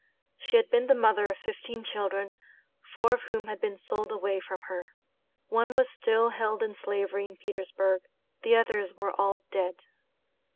She had been the mother of fifteen children, four of whom had been sold away from her; one was still held in slavery in Petersburg; the others were all dead.